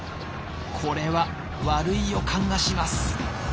これは悪い予感がします。